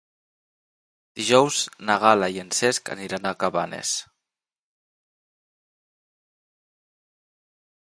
Dijous na Gal·la i en Cesc aniran a Cabanes.